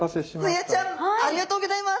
ホヤちゃんありがとうギョざいます。